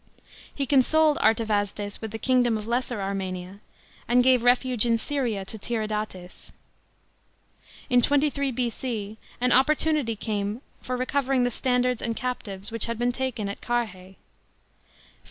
He consoled Artavasdes with the kingdom of Lesser Armenia and gave refuge in Syria to Tiridates. In 23 B.C. an opportunity came for recovering the standards and captives which had been taken at Carrhae.